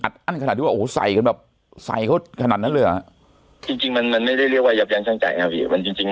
จริงมันไม่ได้เรียกว่ายับยางชั่งใจหนะพี่